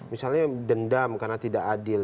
misalnya dendam karena tidak adil